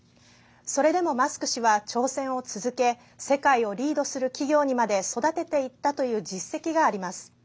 それでも、マスク氏は挑戦を続け世界をリードする企業にまで育てていったという実績があります。